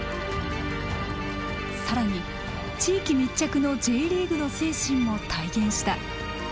更に地域密着のＪリーグの精神も体現した。